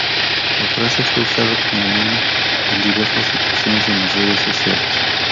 La frase fue usada como meme en diversas situaciones en las redes sociales.